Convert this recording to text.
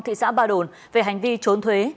thị xã ba đồn về hành vi trốn thuế